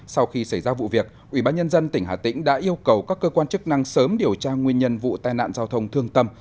sau khi xảy ra vụ việc ủy ban nhân dân tỉnh hà tĩnh đã yêu cầu các cơ quan chức năng sớm điều tra nguyên nhân vụ tai nạn giao thông thương tâm